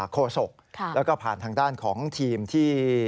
โศกแล้วก็ผ่านทางด้านของทีมที่